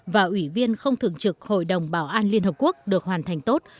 và ủy viên không thường trực hội đồng bảo an liên hợp quốc được hoàn thành tốt